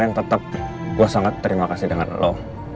dan tetap gue sangat terima kasih dengan lo